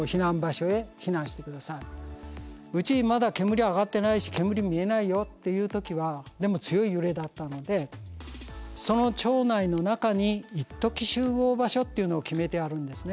うちまだ煙上がってないし煙見えないよっていう時はでも強い揺れだったのでその町内の中に一時集合場所っていうのを決めてあるんですね。